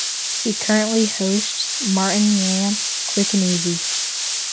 He currently hosts "Martin Yan - Quick and Easy".